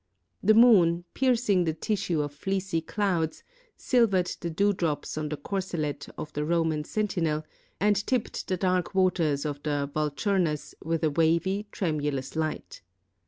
The moon, piercing the tissue of fleecy clouds, silvered the dewdrops on the corselet of the Roman sentinel, and tipped 'the dark waters of the Vulturnus with a wavy, tremulous light.